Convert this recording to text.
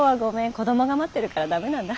子供が待ってるから駄目なんだ。